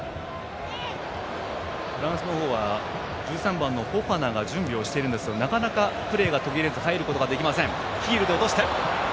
フランスの方は１３番のフォファナが準備をしているんですがなかなかプレーが途切れず入ることができません。